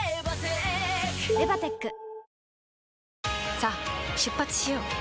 さあ出発しよう。